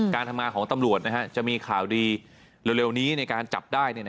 การทำงานของตำรวจจะมีข่าวดีเร็วนี้ในการจับได้